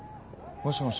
もしもし。